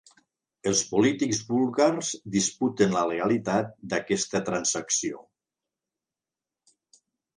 Els polítics búlgars disputen la legalitat d'aquesta transacció.